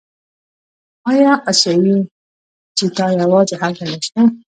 آیا اسیایي چیتا یوازې هلته نشته؟